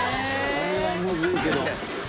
これはムズいけど。